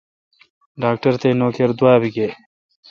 ڈاکٹر تے نوکر دوابہ گئے۔